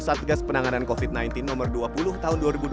satgas penanganan covid sembilan belas nomor dua puluh tahun dua ribu dua puluh